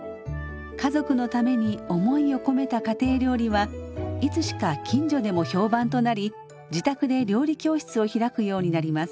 家族のために思いを込めた家庭料理はいつしか近所でも評判となり自宅で料理教室を開くようになります。